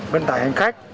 vận tải hành khách